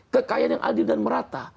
kekayaan yang adil dan merata